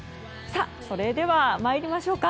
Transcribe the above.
それではまいりましょうか。